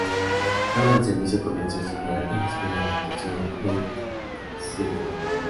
Luego del servicio comenzó a estudiar en la escuela de actuación Beit Tzvi.